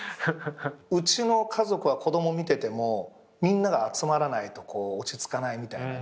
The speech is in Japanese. うちの家族は子供見ててもみんなが集まらないと落ち着かないみたいなね。